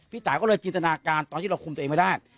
ตายก็เลยจินตนาการตอนที่เราคุมตัวเองไม่ได้